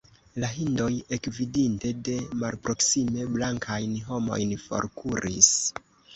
La hindoj, ekvidinte de malproksime blankajn homojn, forkuris.